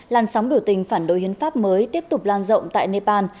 làn sóng biểu tình phản đối hiến pháp mới tiếp tục lan rộng tại nepal